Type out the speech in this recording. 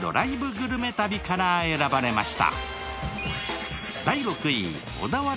グルメ旅から選ばれました